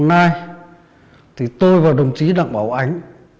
trong quá trình này tôi và đồng chí đặng bảo ánh